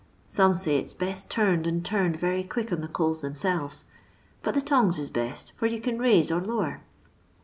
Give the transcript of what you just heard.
Some says it's best turned and turned very quick on the coals themselves, but the tongs is best, for you can raise or lower."